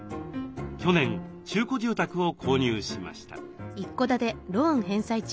去年中古住宅を購入しました。